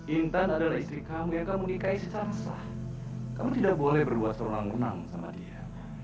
intan adalah istri kamu yang kamu nikahi secara sah kamu tidak boleh berdua serunang runang sama dia